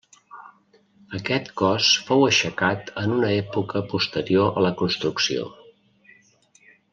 Aquest cos fou aixecat en una època posterior a la construcció.